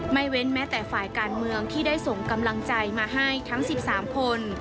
เว้นแม้แต่ฝ่ายการเมืองที่ได้ส่งกำลังใจมาให้ทั้ง๑๓คน